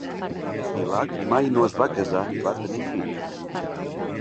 Bilac mai no es va casar ni va tenir fills.